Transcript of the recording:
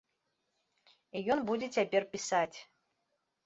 І ён будзе цяпер пісаць.